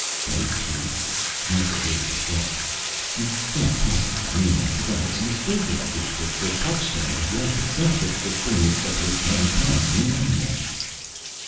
"No Truth?" Mikah weighed the thought. "You can't possibly mean that. The galaxy is filled with Truth, it's the touchstone of Life itself. It's the thing that separates Mankind from the animals."